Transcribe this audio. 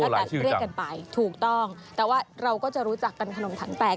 แต่เรียกกันไปถูกต้องแต่ว่าเราก็จะรู้จักกันขนมถังแตก